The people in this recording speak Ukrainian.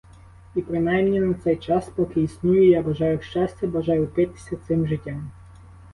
І принаймні на цей час, поки існую, я бажаю щастя, бажаю впитися цим життям.